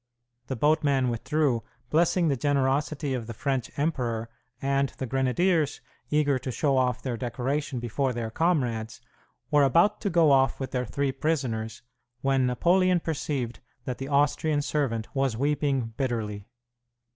The boatmen withdrew, blessing the generosity of the French emperor, and the grenadiers, eager to show off their decoration before their comrades, were about to go off with their three prisoners, when Napoleon perceived that the Austrian servant was weeping bitterly.